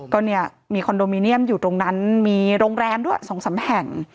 ก็เนี่ยมีคอนโดมิเนียมอยู่ตรงนั้นมีโรงแรมด้วย๒๓แห่ง